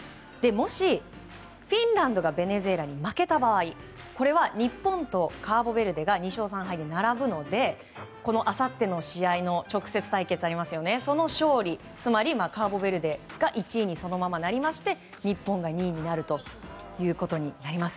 もし、フィンランドがベネズエラに負けた場合これは、日本とカーボベルデが２勝３敗で並ぶので、あさっての試合の直接対決のその勝利、つまりカーボベルデがそのままなりまして、日本が２位になるということです。